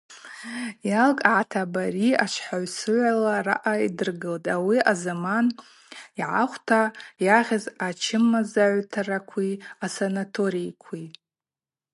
Йалкӏгӏата абари ашвхӏаусыгӏвала араъа йдыргылтӏ ауи азаман йгӏаквхта йагъьыз ачымазагӏвтаракви асанаторийкви.